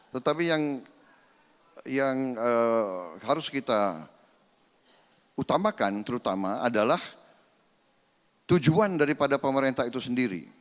tetapi yang harus kita utamakan terutama adalah tujuan daripada pemerintahan